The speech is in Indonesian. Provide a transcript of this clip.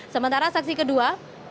sementara saksi kedua